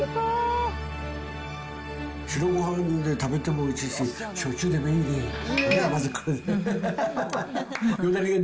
白ごはんで食べてもおいしいし、焼酎でもいいね。